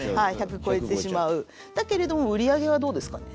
だけれども売り上げはどうですかね？